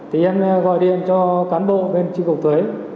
thì em gọi điện cho cán bộ bên tri cục thuế